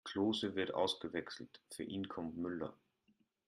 Klose wird ausgewechselt, für ihn kommt Müller.